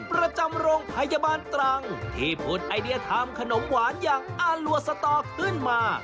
ประจำโรงพยาบาลตรังที่ผุดไอเดียทำขนมหวานอย่างอารัวสตอขึ้นมา